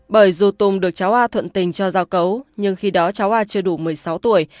bởi dù tùng được cháu hoa thuận tình cho giao cấu nhưng khi đó cháu a chưa đủ một mươi sáu tuổi